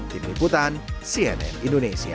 tim liputan cnn indonesia